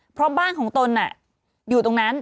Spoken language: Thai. เพราะบ้านของตนอยู่ตรงนั้น